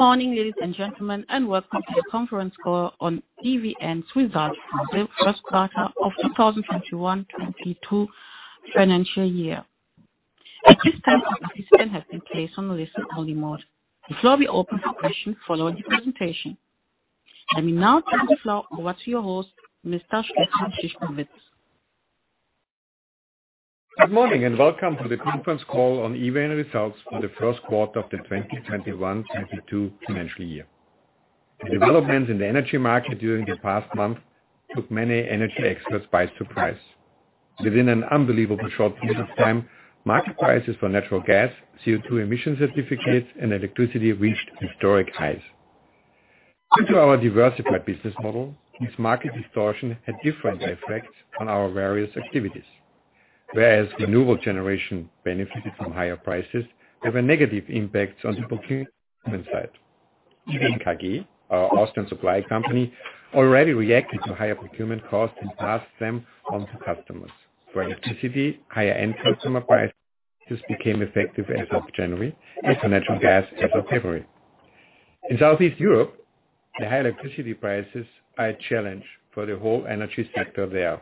Good morning, ladies and gentlemen, and welcome to the conference call on EVN's results for the first quarter of 2021/22 financial year. At this time, all participants have been placed on listen only mode. The floor will be open for questions following the presentation. Let me now turn the floor over to your host, Mr. Stefan Szyszkowitz. Good morning and welcome to the conference call on EVN results for the first quarter of the 2021/22 financial year. The developments in the energy market during the past month took many energy experts by surprise. Within an unbelievable short period of time, market prices for natural gas, CO₂ emission certificates and electricity reached historic highs. Due to our diversified business model, this market distortion had different effects on our various activities. Whereas renewable generation benefited from higher prices, there were negative impacts on the procurement side. EVN KG, our Austrian supply company, already reacted to higher procurement costs and passed them on to customers. For electricity, higher end customer prices just became effective as of January, and for natural gas as of February. In Southeast Europe, the high electricity prices are a challenge for the whole energy sector there.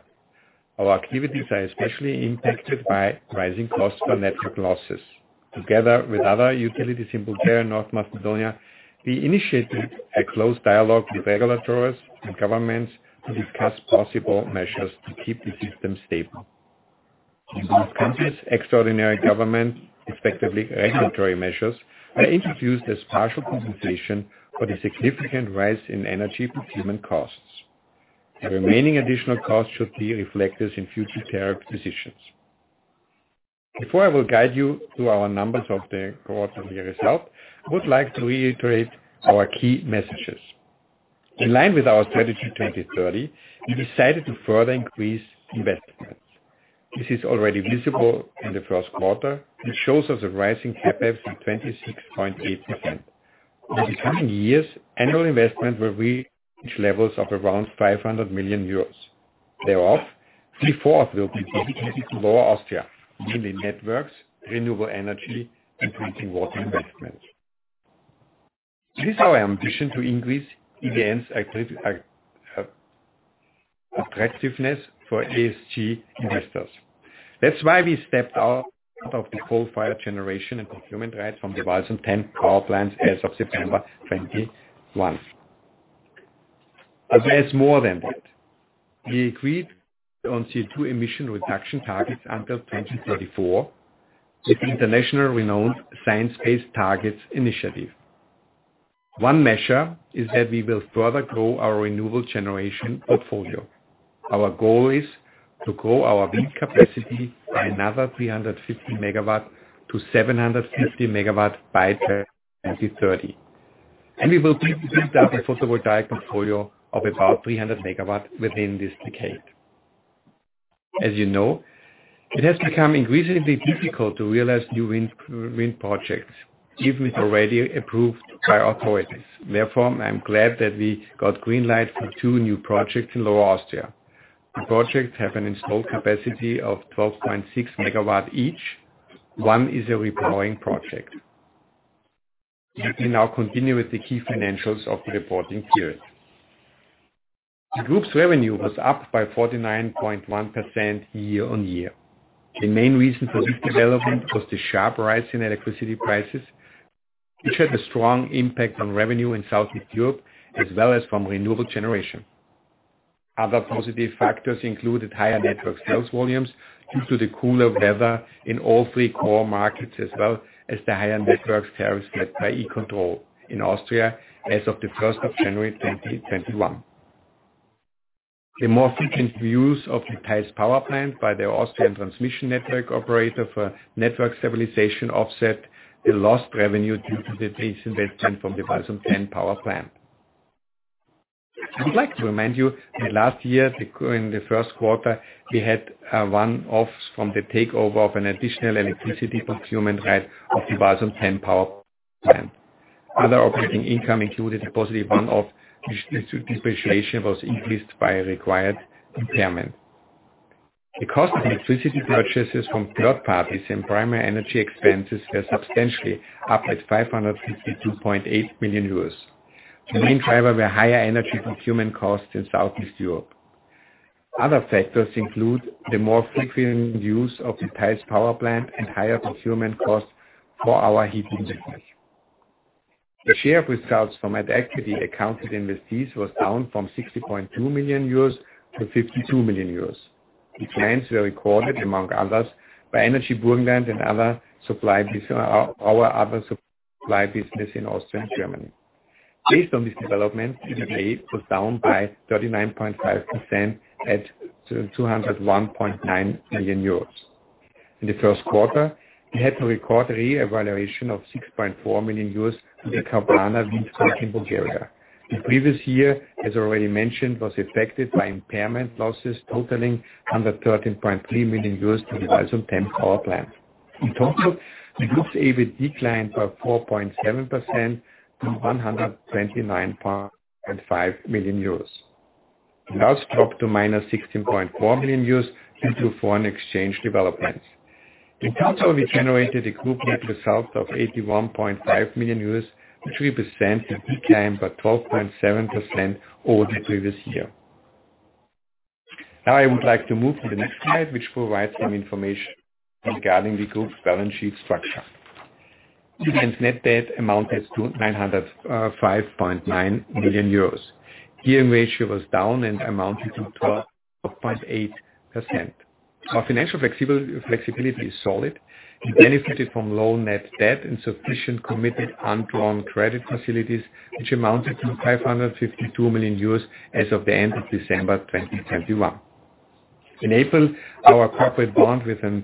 Our activities are especially impacted by rising costs for network losses. Together with other utilities in Bulgaria, North Macedonia, we initiated a close dialogue with regulators and governments to discuss possible measures to keep the system stable. In both countries, extraordinary government, respectively, regulatory measures, were introduced as partial compensation for the significant rise in energy procurement costs. The remaining additional costs should be reflected in future tariff positions. Before I will guide you through our numbers of the quarterly result, I would like to reiterate our key messages. In line with our strategy 2030, we decided to further increase investments. This is already visible in the first quarter, which shows us a rising CapEx of 26.8%. Over the coming years, annual investments will reach levels of around 500 million euros. Thereof, three-fourths will be dedicated to Lower Austria, mainly networks, renewable energy, and drinking water investments. It is our ambition to increase EVN's attractiveness for ESG investors. That's why we stepped out of the coal-fired generation and procurement rights from the Walsum 10 power plant as of September 2021. There's more than that. We agreed on CO₂ emission reduction targets until 2034 with the internationally renowned Science Based Targets initiative. One measure is that we will further grow our renewable generation portfolio. Our goal is to grow our wind capacity by another 350 MW to 750 MW by 2030. We will build up a photovoltaic portfolio of about 300 MW within this decade. As you know, it has become increasingly difficult to realize new wind projects, even if already approved by authorities. Therefore, I'm glad that we got green light for two new projects in Lower Austria. The projects have an installed capacity of 12.6 MW each. One is a repowering project. Let me now continue with the key financials of the reporting period. The group's revenue was up by 49.1% year-on-year. The main reason for this development was the sharp rise in electricity prices, which had a strong impact on revenue in Southeast Europe as well as from renewable generation. Other positive factors included higher network sales volumes due to the cooler weather in all three core markets, as well as the higher network tariffs led by E-Control in Austria as of January 1, 2021. The more frequent use of the Theiss power plant by the Austrian transmission network operator for network stabilization offset the lost revenue due to the disinvestments from the Walsum 10 power plant. I would like to remind you that last year in the first quarter we had one-offs from the takeover of an additional electricity procurement right of the Walsum 10 power plant. Other operating income included a positive one-off in which the depreciation was reversed by a prior impairment. The cost of electricity purchases from third parties and primary energy expenses were substantially up at 552.8 million euros. The main driver were higher energy procurement costs in Southeast Europe. Other factors include the more frequent use of the Theiss power plant and higher procurement costs for our heat customers. The share of results from at equity accounted investees was down from 60.2 million euros to 52 million euros, which gains were recorded among others by Energie Burgenland and our other supply business in Austria and Germany. Based on this development, EBIT was down by 39.5% at 201.9 million euros. In the first quarter, we had to record a revaluation of 6.4 million euros to the Kavarna wind farm in Bulgaria. The previous year, as already mentioned, was affected by impairment losses totaling 113.3 million euros to the Walsum 10 power plant. In total, the group's EBIT declined by 4.7% to 129.5 million euros. It has dropped to minus 16.4 million euros due to foreign exchange developments. In total, we generated a group net result of 81.5 million euros, which represents a decline by 12.7% over the previous year. Now I would like to move to the next slide, which provides some information regarding the group's balance sheet structure. EVN's net debt amounted to 905.9 million euros. Gearing ratio was down and amounted to 12.8%. Our financial flexibility is solid. We benefited from low net debt and sufficient committed undrawn credit facilities, which amounted to 552 million euros as of the end of December 2021. In April, our corporate bond with a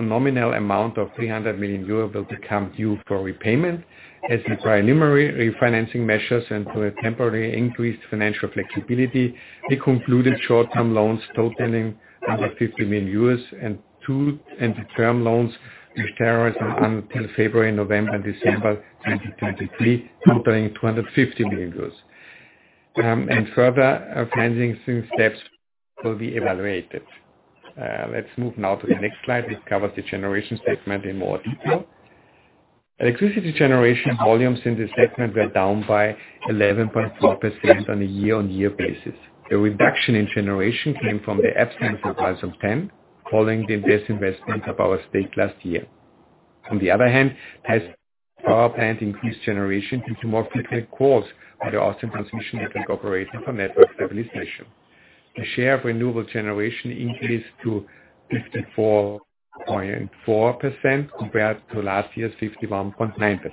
nominal amount of 300 million euro will become due for repayment. As part of our primary refinancing measures and to ensure temporarily increased financial flexibility, we concluded short-term loans totaling 150 million and two interim loans with maturities until February, November, and December 2023, totaling 250 million euros. Further financing steps will be evaluated. Let's move now to the next slide, which covers the generation segment in more detail. Electricity generation volumes in this segment were down by 11.4% on a year-on-year basis. The reduction in generation came from the absence of Walsum 10, following the divestment of our stake last year. On the other hand, Theiss power plant increased generation due to more frequent calls by the Austrian transmission network operator for network stabilization. The share of renewable generation increased to 54.4% compared to last year's 51.9%.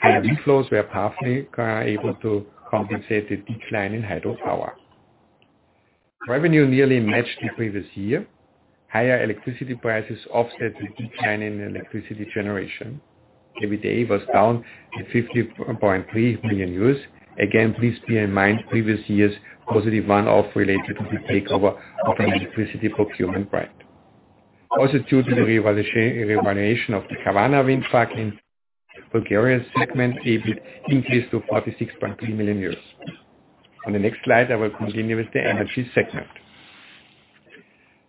Higher wind flows were partly able to compensate the decline in hydropower. Revenue nearly matched the previous year. Higher electricity prices offset the decline in electricity generation. EBITDA was down to 50.3 million. Again, please bear in mind, previous year's positive one-off related to the takeover of an electricity procurement right. Also, due to the revaluation of the Kavarna wind farm in Bulgarian segment, EBIT increased to 46.3 million euros. On the next slide, I will continue with the energy segment.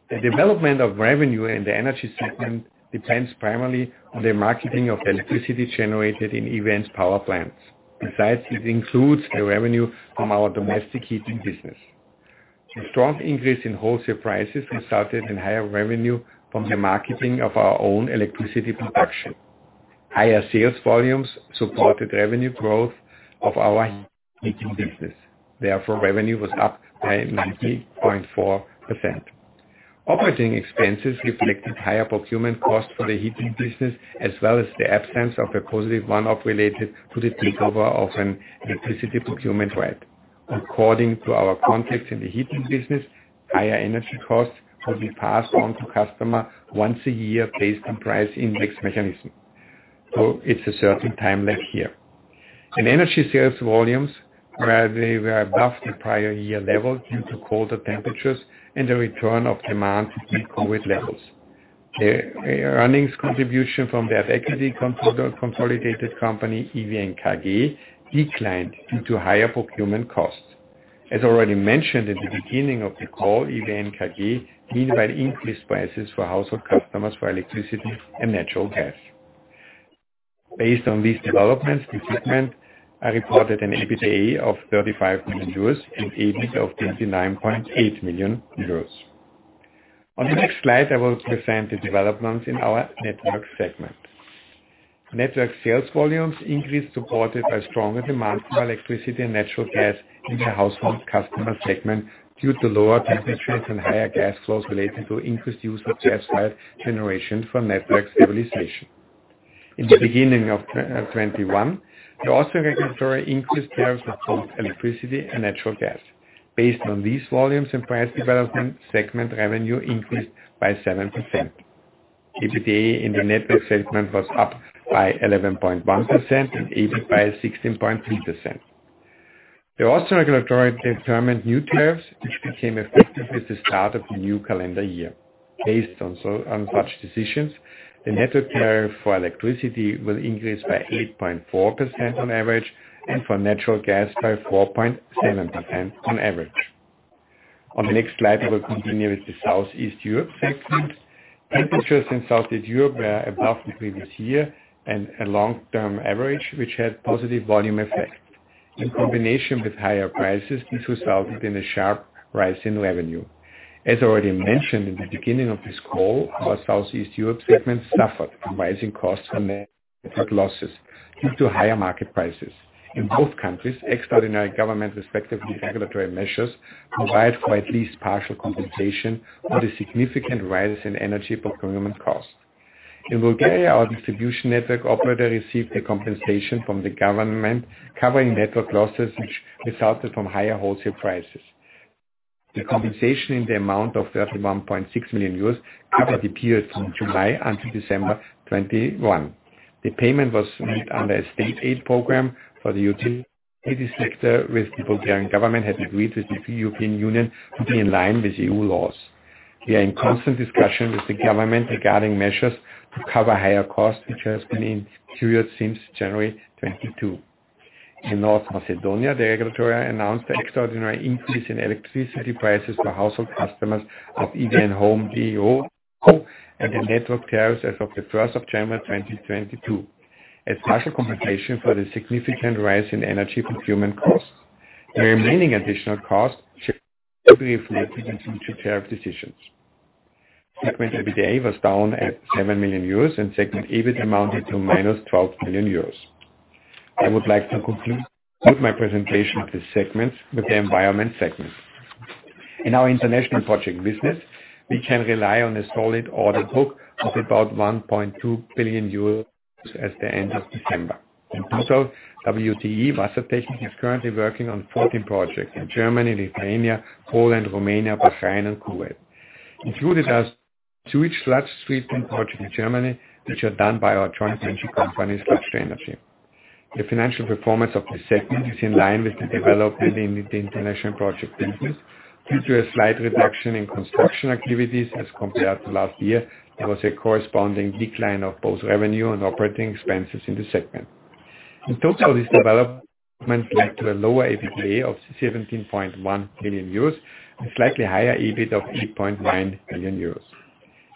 The development of revenue in the energy segment depends primarily on the marketing of electricity generated in EVN's power plants. Besides, it includes the revenue from our domestic heating business. The strong increase in wholesale prices resulted in higher revenue from the marketing of our own electricity production. Higher sales volumes supported revenue growth of our heating business. Therefore, revenue was up by 90.4%. Operating expenses reflected higher procurement costs for the heating business, as well as the absence of a positive one-off related to the takeover of an electricity procurement brand. According to our contracts in the heating business, higher energy costs will be passed on to customer once a year based on price index mechanism. It's a certain time left here. In energy sales volumes, they were above the prior year level due to colder temperatures and the return of demand to pre-COVID levels. The earnings contribution from the equity consolidated company, EVN KG, declined due to higher procurement costs. As already mentioned at the beginning of the call, EVN KG meanwhile increased prices for household customers for electricity and natural gas. Based on these developments, the segment reported an EBITDA of 35 million euros and EBIT of 29.8 million euros. On the next slide, I will present the developments in our network segment. Network sales volumes increased, supported by stronger demand for electricity and natural gas in the household customer segment due to lower temperatures and higher gas flows related to increased use of gas-fired generation for network stabilization. In the beginning of 2021, the Austrian regulator increased tariffs for both electricity and natural gas. Based on these volumes and price development, segment revenue increased by 7%. EBITDA in the network segment was up by 11.1% and EBIT by 16.3%. The Austrian regulator determined new tariffs, which became effective with the start of the new calendar year. On such decisions, the network tariff for electricity will increase by 8.4% on average, and for natural gas by 4.7% on average. On the next slide, we will continue with the Southeast Europe segment. Temperatures in Southeast Europe were above the previous year and a long-term average, which had positive volume effect. In combination with higher prices, this resulted in a sharp rise in revenue. As already mentioned in the beginning of this call, our Southeast Europe segment suffered from rising costs on network losses due to higher market prices. In both countries, extraordinary government respectively regulatory measures provided for at least partial compensation for the significant rise in energy procurement costs. In Bulgaria, our distribution network operator received a compensation from the government covering network losses, which resulted from higher wholesale prices. The compensation in the amount of 31.6 million euros covered the period from July until December 2021. The payment was made under a state aid program for the utility sector, which the Bulgarian government had agreed with the European Union to be in line with EU laws. We are in constant discussion with the government regarding measures to cover higher costs, which have been in place since January 2022. In North Macedonia, the regulator announced the extraordinary increase in electricity prices for household customers of EVN Home DOO and the network carriers as of January 1, 2022, as partial compensation for the significant rise in energy procurement costs. The remaining additional costs should be reflected into tariff decisions. Segment EBITDA was down at 7 million euros and segment EBIT amounted to -12 million euros. I would like to conclude my presentation of the segments with the environment segment. In our international project business, we can rely on a solid order book of about 1.2 billion euros as of the end of December. In total, WTE Wassertechnik is currently working on 14 projects in Germany, Lithuania, Poland, Romania, Bahrain and Kuwait. Included are two sludge treatment projects in Germany, which are done by our joint venture company, sludge2energy. The financial performance of this segment is in line with the development in the international project business. Due to a slight reduction in construction activities as compared to last year, there was a corresponding decline of both revenue and operating expenses in this segment. In total, this development led to a lower EBITDA of 17.1 million euros and slightly higher EBIT of 8.9 million euros.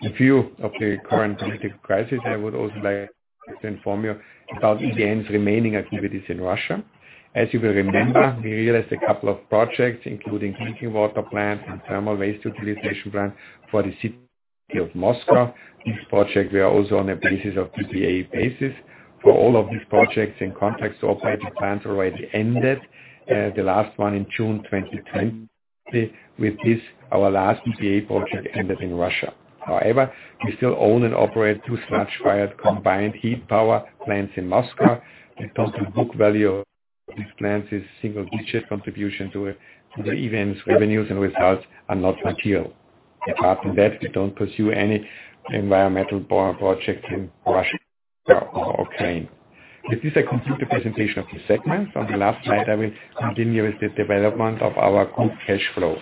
In view of the current political crisis, I would also like to inform you about EVN's remaining activities in Russia. As you will remember, we realized a couple of projects, including drinking water plant and thermal waste utilization plant for the city of Moscow. This project we are also on a basis of PPA basis. For all of these projects and contracts to operate, the plants already ended, the last one in June 2020. With this, our last PPA project ended in Russia. However, we still own and operate two sludge-fired combined heat power plants in Moscow. The total book value of these plants is single-digit contribution to the EVN's revenues and results are not material. Apart from that, we don't pursue any environmental projects in Russia or Ukraine. With this, I complete the presentation of the segments. On the last slide, I will continue with the development of our group cash flow.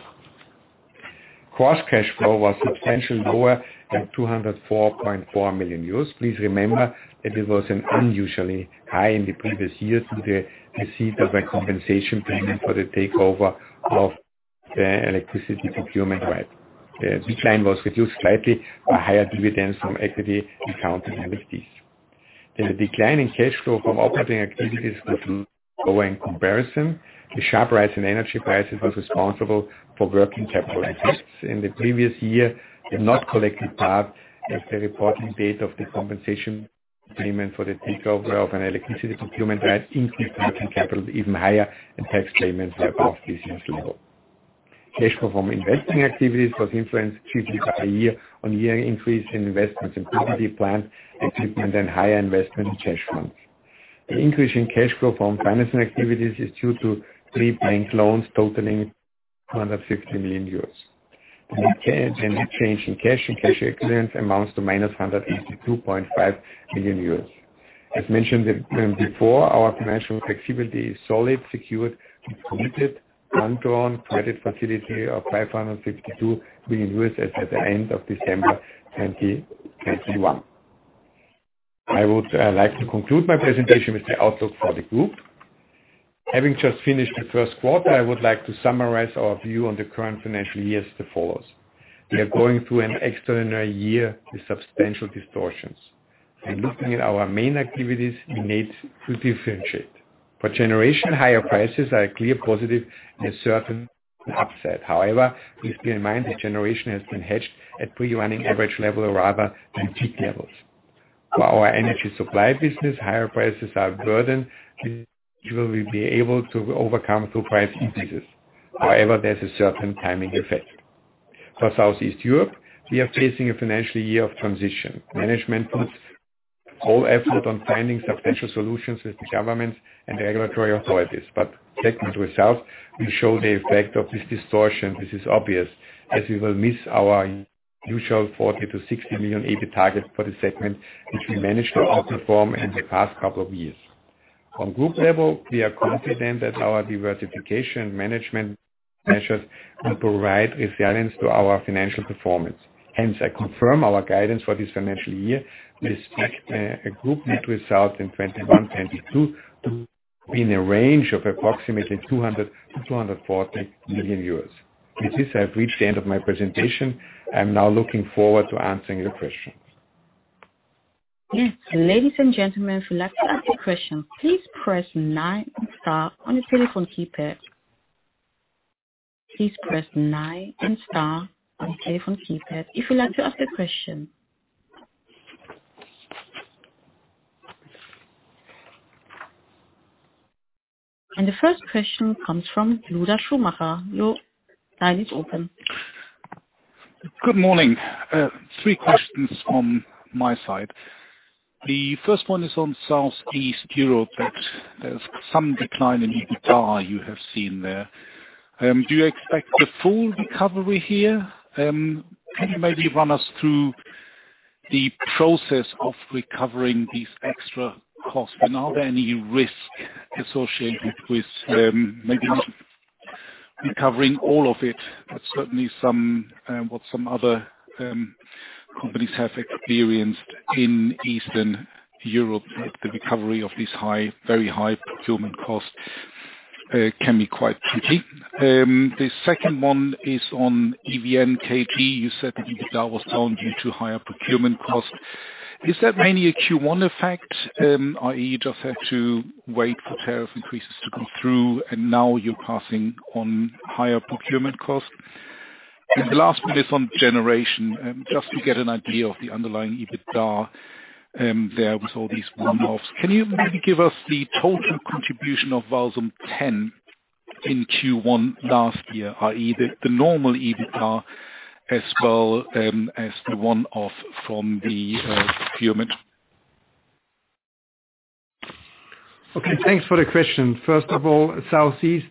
Gross cash flow was substantially lower than 204.4 million euros. Please remember that it was an unusually high in the previous year due to the receipt of a compensation payment for the takeover of the electricity procurement right. The decline was reduced slightly by higher dividends from equity-accounted entities. The decline in cash flow from operating activities was lower in comparison. The sharp rise in energy prices was responsible for working capital effects. In the previous year, the not collected part at the reporting date of the compensation payment for the takeover of an electricity procurement right increased working capital even higher, and tax payments were above business level. Cash flow from investing activities was influenced chiefly by a year-over-year increase in investments in property, plant, equipment and higher investment in cash funds. The increase in cash flow from financing activities is due to three bank loans totaling 250 million euros. The change in cash and cash equivalents amounts to -182.5 million euros. As mentioned before, our financial flexibility is solid, secured with committed undrawn credit facility of 552 million as at the end of December 2021. I would like to conclude my presentation with the outlook for the group. Having just finished the first quarter, I would like to summarize our view on the current financial year as follows. We are going through an extraordinary year with substantial distortions. When looking at our main activities, we need to differentiate. For generation, higher prices are a clear positive and a certain upside. However, please bear in mind that generation has been hedged at pre-running average level rather than peak levels. For our energy supply business, higher prices are a burden we will be able to overcome through price increases. However, there's a certain timing effect. For Southeast Europe, we are facing a financial year of transition. Management puts whole effort on finding substantial solutions with the governments and regulatory authorities. Segment results will show the effect of this distortion. This is obvious as we will miss our usual 40 million-60 million EBIT target for the segment, which we managed to outperform in the past couple of years. On group level, we are confident that our diversification management measures will provide resilience to our financial performance. Hence, I confirm our guidance for this financial year with a group net result in 2021-2022 to be in a range of approximately 200 million-240 million euros. With this, I have reached the end of my presentation. I'm now looking forward to answering your questions. The first question comes from Lueder Schumacher. Your line is open. Good morning. Three questions from my side. The first one is on South East Europe. There's some decline in EBITDA you have seen there. Do you expect a full recovery here? Can you maybe run us through? The process of recovering these extra costs. Are there any risk associated with, maybe not recovering all of it, but certainly some, what some other companies have experienced in Eastern Europe, that the recovery of these high, very high procurement costs, can be quite tricky. The second one is on EVN KG. You said the EBITDA was down due to higher procurement costs. Is that mainly a Q1 effect, i.e. you just had to wait for tariff increases to come through and now you're passing on higher procurement costs? The last one is on generation. Just to get an idea of the underlying EBITDA, there with all these one-offs. Can you maybe give us the total contribution of Walsum 10 in Q1 last year, i.e. the normal EBITDA as well, as the one-off from the procurement? Okay, thanks for the question. First of all, Southeast,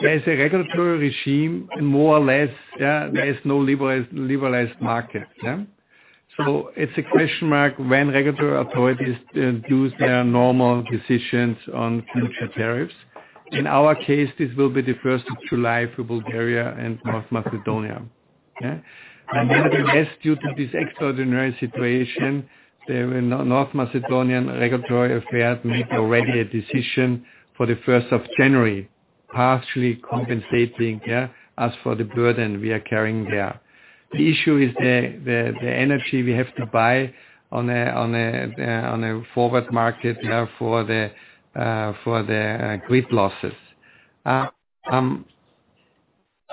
there's a regulatory regime, more or less, there is no liberalized market. It's a question mark when regulatory authorities do their normal decisions on future tariffs. In our case, this will be the first of July for Bulgaria and North Macedonia. Nonetheless, due to this extraordinary situation, the North Macedonian regulatory authority made already a decision for the first of January, partially compensating as for the burden we are carrying there. The issue is the energy we have to buy on a forward market for the grid losses.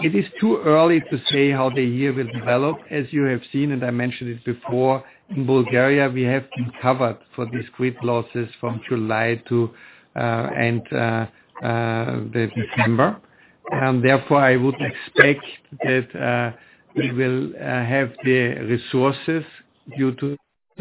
It is too early to say how the year will develop. As you have seen, and I mentioned it before, in Bulgaria, we have been covered for these grid losses from July to December. Therefore, I would expect that we will have the resources due to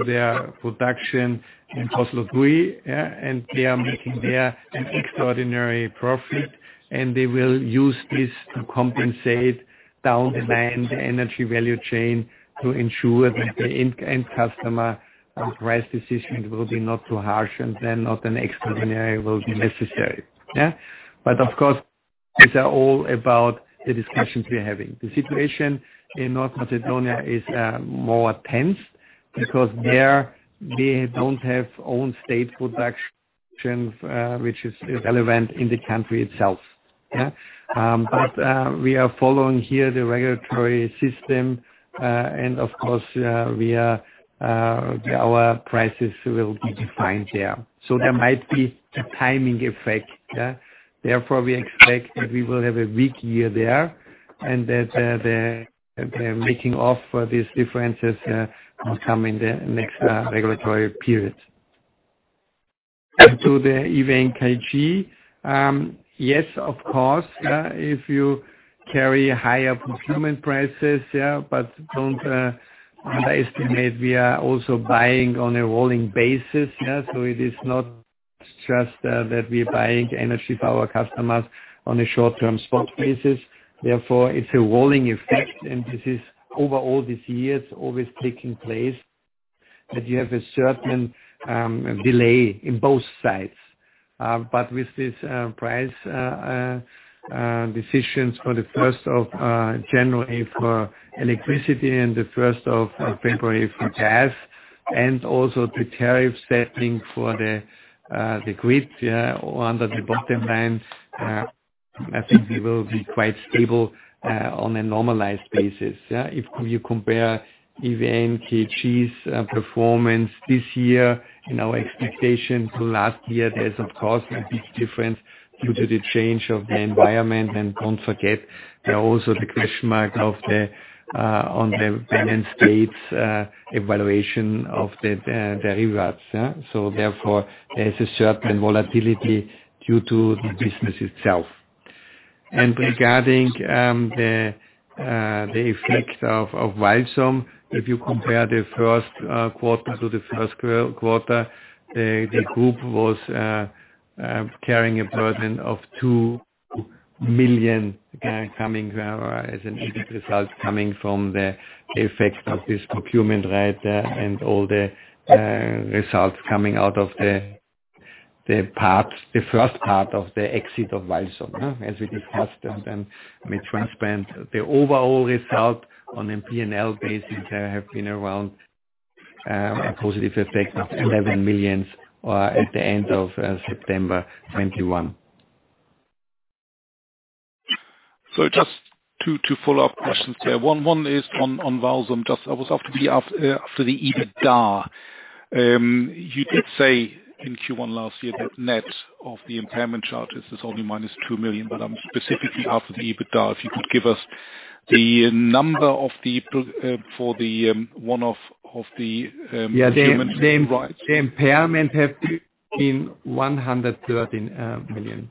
their production, and they are making there an extraordinary profit, and they will use this to compensate down the line, the energy value chain, to ensure that the end customer price decision will be not too harsh and then not an extraordinary will be necessary. But of course, these are all about the discussions we are having. The situation in North Macedonia is more tense because there we don't have own state production, which is relevant in the country itself. We are following here the regulatory system, and of course, our prices will be defined. There might be a timing effect. Therefore, we expect that we will have a weak year there and that the make up for these differences will come in the next regulatory period. To the EVN KG, yes, of course, if you carry higher procurement prices, but don't underestimate, we are also buying on a rolling basis. It is not just that we're buying energy for our customers on a short-term spot basis. Therefore, it's a rolling effect, and this is over all these years always taking place, that you have a certain delay in both sides. With this price decisions for the first of January for electricity and the first of February for gas, and also the tariff setting for the grid, under the bottom line, I think we will be quite stable on a normalized basis. If you compare EVN KG's performance this year and our expectation to last year, there's of course a big difference due to the change of the environment. Don't forget, there are also the question mark of the end states evaluation of the rewards. Therefore, there's a certain volatility due to the business itself. Regarding the effect of Walsum, if you compare the first quarter to the first quarter, the group was carrying a burden of 2 million as an EBIT result coming from the effect of this procurement risk, and all the results coming out of the parts, the first part of the exit of Walsum. As we discussed, then we presented the overall result on MP&L basis have been around a positive effect of 11 million at the end of September 2021. Two follow-up questions there. One is on Walsum. I was actually after the EBITDA. You did say in Q1 last year that net of the impairment charges is only minus 2 million, but I'm specifically after the EBITDA. If you could give us the number for the one-off. Yeah. The impairment have been 113 million.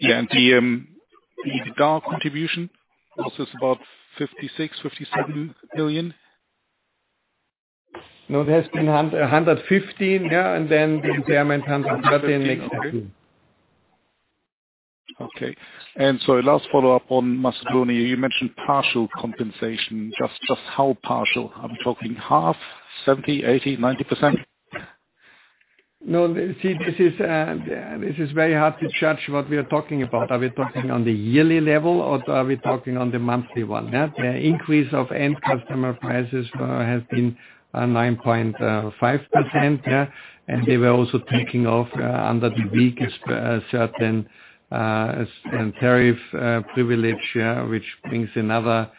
The data contribution was just about 56 million-57 million. No, there's been 115 million, yeah, and then the impairment 113 million makes it EUR 2 million. Okay. Last follow up on Macedonia, you mentioned partial compensation. Just how partial? Are we talking half, 70%, 80%, 90%? No, see, this is very hard to judge what we are talking about. Are we talking on the yearly level, or are we talking on the monthly one? The increase of end customer prices has been 9.5%. They were also taking off under the weakest certain tariff privilege, which brings another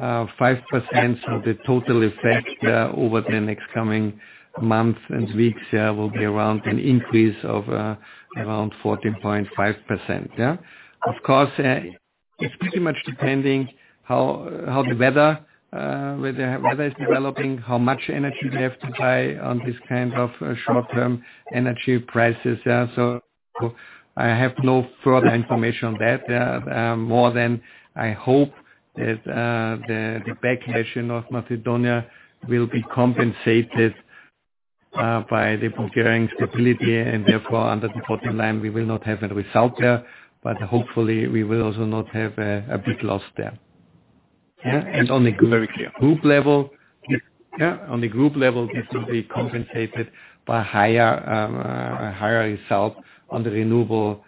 5%. The total effect over the next coming months and weeks will be around an increase of around 14.5%. Of course, it's pretty much depending how the weather is developing, how much energy they have to buy on this kind of short-term energy prices. I have no further information on that, more than I hope that the backlash in North Macedonia will be compensated by the procuring stability and therefore under the bottom line, we will not have a result there. Hopefully we will also not have a big loss there. Very clear. Group level. Yeah, on the group level, this will be compensated by higher result on the renewable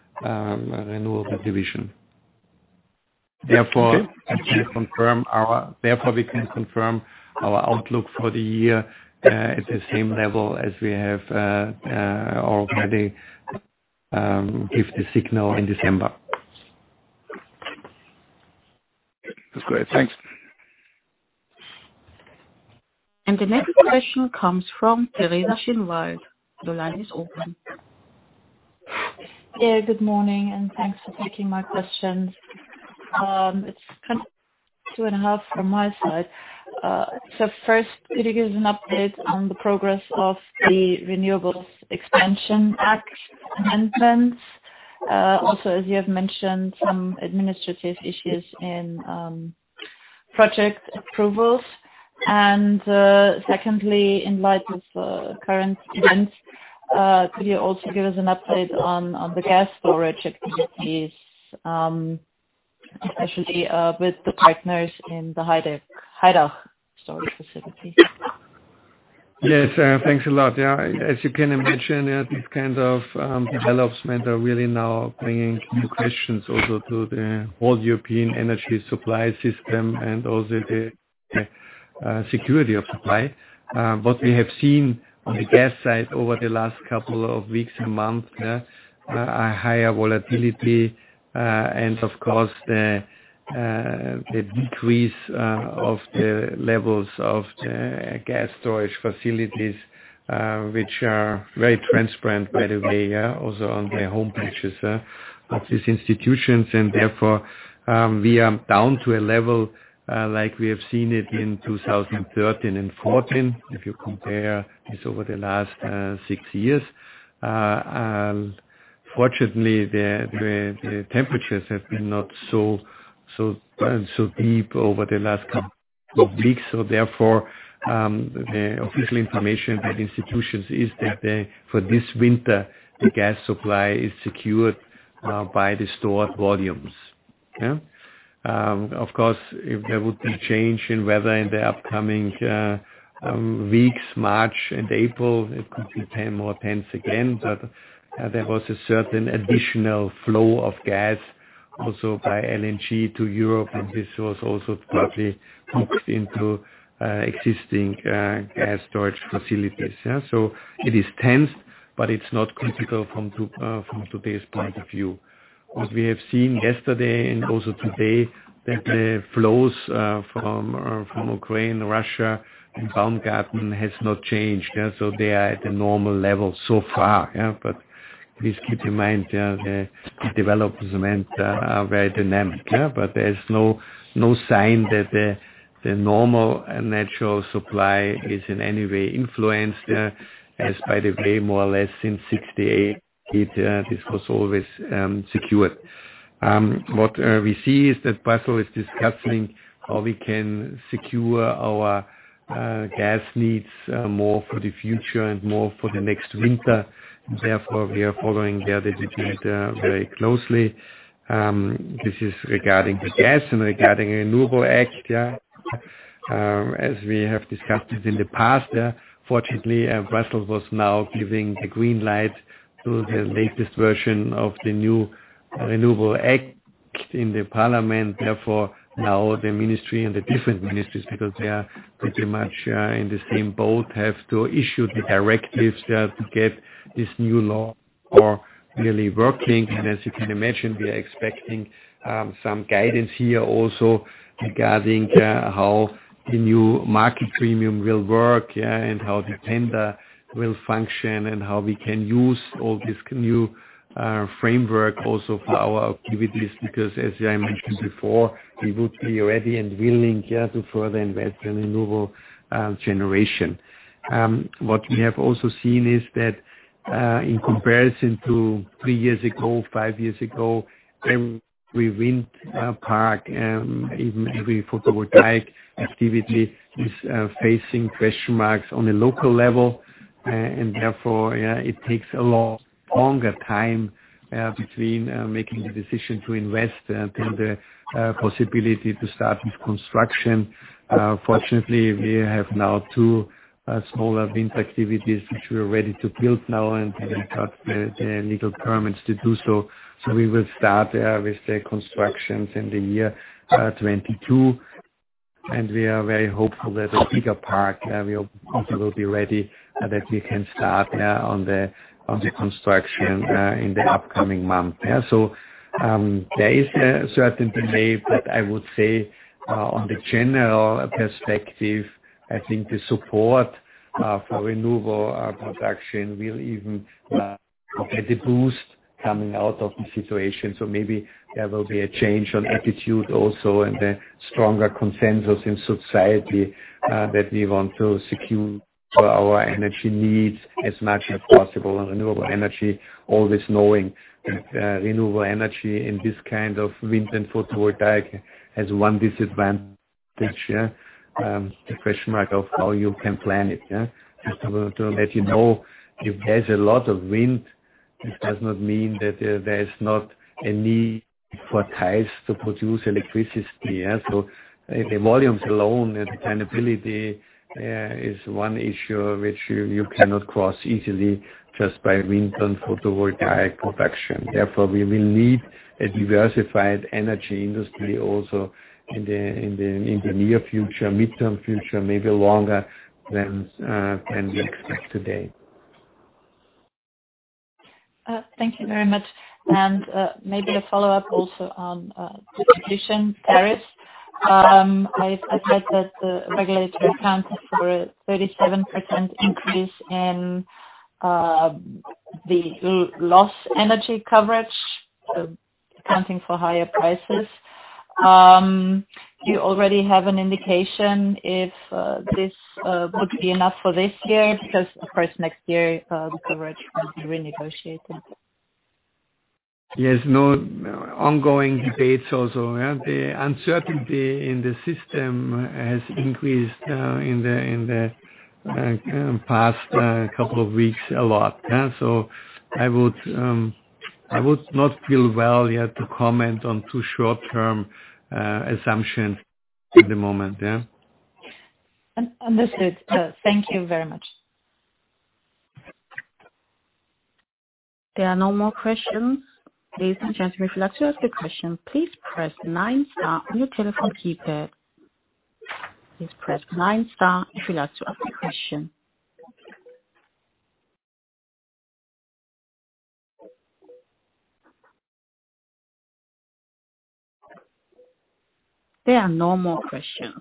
division. Therefore, we can confirm our outlook for the year at the same level as we have already give the signal in December. That's great. Thanks. The next question comes from Teresa Schinwald. The line is open. Yeah, good morning, and thanks for taking my questions. It's kind of two and a half from my side. So first, could you give us an update on the progress of the Renewable Energy Expansion Act amendments? Also, as you have mentioned, some administrative issues in project approvals. Secondly, in light of current events, could you also give us an update on the gas storage activities, especially with the partners in the Haidach storage facility? Yes. Thanks a lot. As you can imagine, these kinds of developments are really now bringing new questions also to the whole European energy supply system and also the security of supply. What we have seen on the gas side over the last couple of weeks and months, a higher volatility, and of course, the decrease of the levels of the gas storage facilities, which are very transparent, by the way, also on the home pages of these institutions. Therefore, we are down to a level like we have seen it in 2013 and 2014, if you compare this over the last six years. Fortunately, the temperatures have been not so deep over the last couple weeks, so therefore, the official information from institutions is that for this winter, the gas supply is secured by the stored volumes. Yeah. Of course, if there would be change in weather in the upcoming weeks, March and April, it could be tense more times again, but there was a certain additional flow of gas also by LNG to Europe, and this was also partly pumped into existing gas storage facilities. Yeah. It is tense, but it's not critical from today's point of view. What we have seen yesterday and also today, that the flows from Ukraine, Russia and Baumgarten has not changed. Yeah. They are at a normal level so far. Yeah. Please keep in mind, the developments are very dynamic. There's no sign that the normal natural supply is in any way influenced, by the way, more or less since 68, this was always secured. What we see is that Brussels is discussing how we can secure our gas needs more for the future and more for the next winter. Therefore, we are following the debate very closely. This is regarding the gas and regarding Renewable Act. As we have discussed it in the past, fortunately, Brussels was now giving the green light to the latest version of the new Renewable Act in the parliament. Therefore, now the ministry and the different ministries, because they are pretty much in the same boat, have to issue the directives to get this new law more really working. As you can imagine, we are expecting some guidance here also regarding how the new market premium will work, and how the tender will function and how we can use all this new framework also for our activities. Because as I mentioned before, we would be ready and willing to further invest in renewable generation. What we have also seen is that in comparison to three years ago, five years ago, every wind park and even every photovoltaic activity is facing question marks on a local level. Therefore, it takes a lot longer time between making the decision to invest and then the possibility to start with construction. Fortunately, we have now two smaller wind activities which we are ready to build now, and we got the legal permits to do so. We will start with the constructions in the year 2022, and we are very hopeful that a bigger park will also be ready that we can start on the construction in the upcoming months. There is a certain delay, but I would say on the general perspective, I think the support for renewable production will even get a boost coming out of the situation. Maybe there will be a change on attitude also and a stronger consensus in society that we want to secure our energy needs as much as possible on renewable energy. Always knowing that renewable energy in this kind of wind and photovoltaic has one disadvantage. The question mark of how you can plan it. Just to let you know, if there's a lot of wind, it does not mean that there's not a need for tiles to produce electricity. The volumes alone and dependability is one issue which you cannot cross easily just by wind and photovoltaic production. Therefore, we will need a diversified energy industry also in the near future, mid-term future, maybe longer than we expect today. Thank you very much. Maybe the follow-up also on distribution tariffs. I read that the regulatory account for 37% increase in the loss energy coverage, accounting for higher prices. Do you already have an indication if this would be enough for this year? Because of course, next year the coverage will be renegotiated. Yes. No ongoing debates also. Yeah. The uncertainty in the system has increased in the past couple of weeks a lot. Yeah. I would not feel well, yeah, to comment on too short-term assumptions at the moment. Yeah. Understood. Thank you very much. There are no more questions. Ladies and gentlemen, if you'd like to ask a question, please press nine star on your telephone keypad. Please press nine star if you'd like to ask a question. There are no more questions.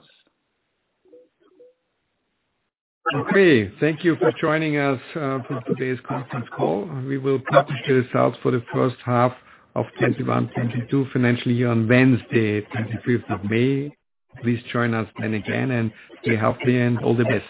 Okay. Thank you for joining us for today's conference call. We will publish the results for the first half of 2021-2022 financial year on Wednesday, 25th of May. Please join us then again and stay healthy and all the best.